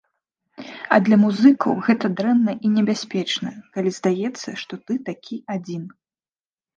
А для музыкаў гэта дрэнна і небяспечна, калі здаецца, што ты такі адзін.